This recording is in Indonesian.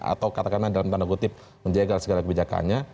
atau katakanlah dalam tanda kutip menjegal segala kebijakannya